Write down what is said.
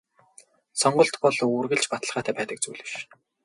Сонголт бол үргэлж баталгаатай байдаг зүйл биш.